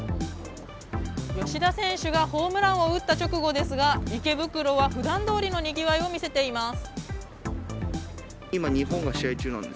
吉田選手がホームランを打った直後ですが、池袋はふだんどおりのにぎわいを見せています。